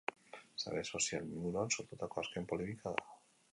Sare sozialen inguruan sortutako azken polemika da.